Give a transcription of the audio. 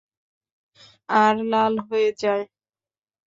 আর লাল হয়ে যায়।